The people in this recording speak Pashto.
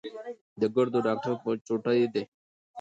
د ګردو ډاکټر په چوټۍ دی